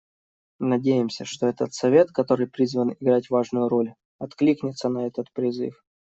Надеемся, что этот Совет, который призван играть важную роль, откликнется на этот призыв.